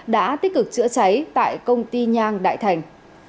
đã tích cực chữa cháy tại công ty nhang đại thành